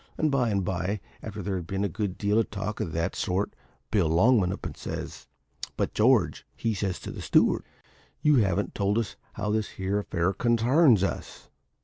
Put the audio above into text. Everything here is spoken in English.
And by and by, after there had been a good deal of talk of that sort, Bill Longman up and says, `But, George,' he says to the steward, `you haven't told us yet how this here affair concarns us?'